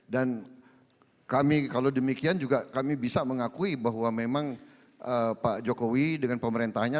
dan kami kalau demikian juga kami bisa mengakui bahwa memang pak jokowi dengan pemerintahnya